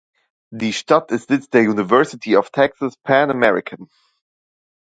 Die Stadt ist Sitz der University of Texas–Pan American.